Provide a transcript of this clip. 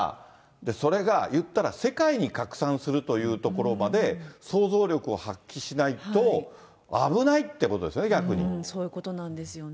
それがいったら、世界に拡散するというところまで想像力を発揮しないと、危ないってことですね、そういうことなんですよね。